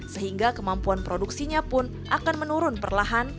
sehingga kemampuan produksinya pun akan menurun perlahan